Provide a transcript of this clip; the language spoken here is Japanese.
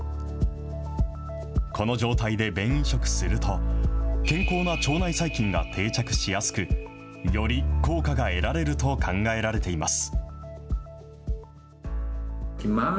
この状態で便移植すると、健康な腸内細菌が定着しやすく、より効果が得られると考えられています。